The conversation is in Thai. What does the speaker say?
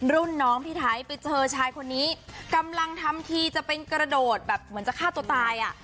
รุ่นน้องพี่ไทยไปเจอชายคนนี้กำลังทำทีจะเป็นกระโดดแบบเหมือนจะฆ่าตัวตายอ่ะ